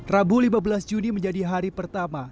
rabu lima belas juni menjadi hari pertama